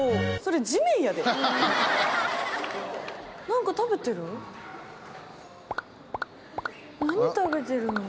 何食べてるの？